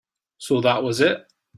So that was it.